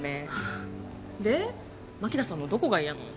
で槙田さんのどこが嫌なの？